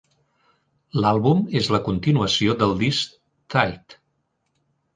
L'àlbum és la continuació del disc "Tight".